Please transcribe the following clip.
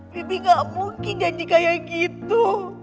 bi bi nggak mungkin janji kayak gitu